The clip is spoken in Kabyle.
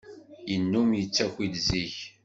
Yennum yettaki-d zik.